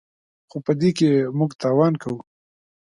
خو په دې کې موږ تاوان کوو.